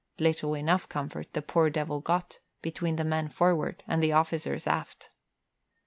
(Little enough comfort the poor devil got, between the men forward and the officers aft!)